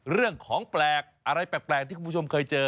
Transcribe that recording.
เรื่องของแปลกอะไรแปลกที่คุณผู้ชมเคยเจอ